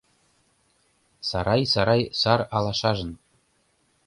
Сарай-сарай сар алашажын -